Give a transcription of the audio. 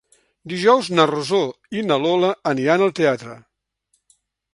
Dijous na Rosó i na Lola aniran al teatre.